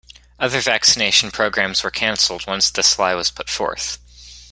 Other vaccination programmes were canceled once this lie was put forth.